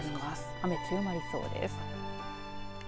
雨強まりそうです。